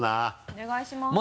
お願いします。